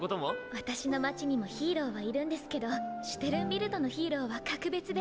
私の街にもヒーローはいるんですけどシュテルンビルトのヒーローは格別で。